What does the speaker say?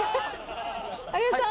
有吉さん